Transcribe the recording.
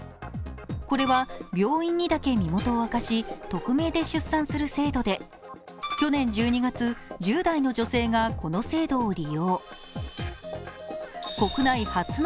これは病院にだけ身元を明かし匿名で出産する制度で去年１２月、１０代の女性がこの制度を利用。